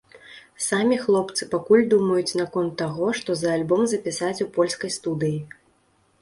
Самі хлопцы пакуль думаюць наконт таго, што за альбом запісаць у польскай студыі.